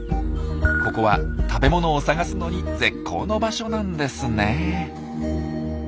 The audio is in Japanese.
ここは食べ物を探すのに絶好の場所なんですね。